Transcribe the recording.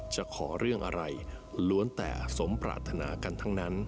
จะขอเรื่องอะไรล้วนแต่สมปรารถนากันทั้งนั้น